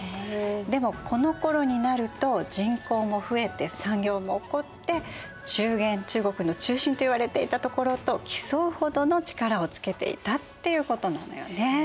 でもこのころになると人口も増えて産業も興って中原中国の中心といわれていたところと競うほどの力をつけていたっていうことなのよね。